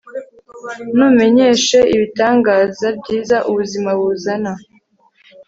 numenyeshe ibitangaza byiza ubuzima buzana